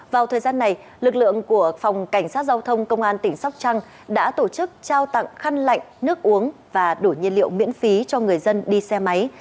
vào thời gian này lực lượng của phòng cảnh sát giao thông công an tỉnh sóc trăng đã tổ chức trao tặng khăn lạnh nước uống và đủ nhiên liệu miễn phí cho người dân đi xe máy